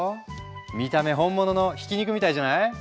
見た目本物のひき肉みたいじゃない？